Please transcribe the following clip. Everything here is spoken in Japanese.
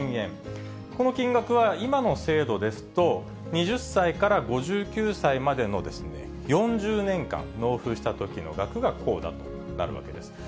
この金額は今の制度ですと、２０歳から５９歳までの４０年間納付したときの額がこうだとなるわけです。